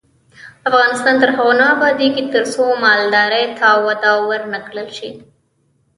افغانستان تر هغو نه ابادیږي، ترڅو مالدارۍ ته وده ورنکړل شي.